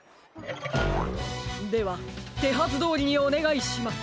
ではてはずどおりにおねがいします。